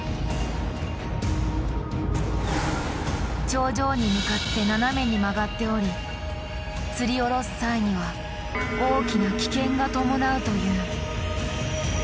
頂上に向かって斜めに曲がっておりつり下ろす際には大きな危険が伴うという。